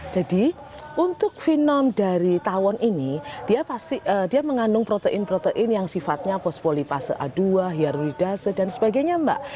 jadi untuk fenom dari tawon ini dia mengandung protein protein yang sifatnya pospolipase a dua hiarulidase dan sebagainya mbak